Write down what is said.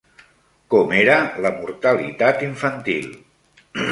Com era la mortalitat infantil?